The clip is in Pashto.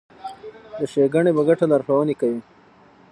د ښېګڼې په ګټه لارښوونې کوي.